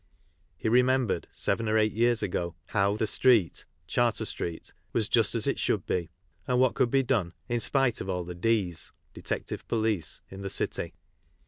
He remembered, seven or eight years ago, how " the Street " (Charter street) was just as it should be, and what could be done in spite of all the " d's " (de tective police) in the city.